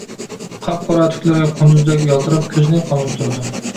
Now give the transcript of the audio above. قاپقارا تۈكلىرى قۇندۇزدەك يالتىراپ كۆزنى قاماشتۇرىدۇ.